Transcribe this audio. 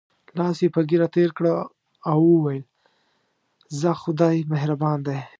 لاس یې په ږیره تېر کړ او وویل: ځه خدای مهربان دی.